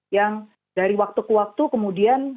yang dari waktu ke waktu kemudian